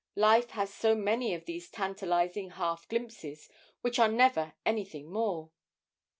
Life has so many of these tantalising half glimpses, which are never anything more.